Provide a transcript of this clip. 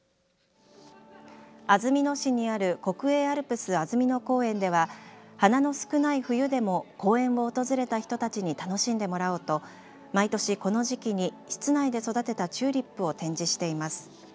安曇野市にある国営アルプスあづみの公園では花の少ない冬でも公園を訪れた人たちに楽しんでもらおうと毎年この時期に室内で育てたチューリップを展示しています。